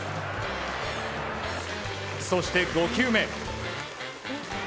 そして５球目。